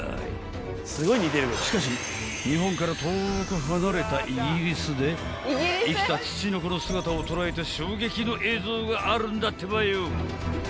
［日本から遠く離れたイギリスで生きたツチノコの姿を捉えた衝撃の映像があるんだってばよ］